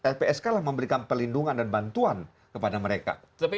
lpsk lah memberikan pelindungan dan bantuan kepada mereka